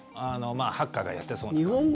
ハッカーがやっていそうな。